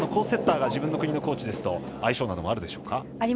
セッターが自分の国のコーチですと相性などもあるでしょうか。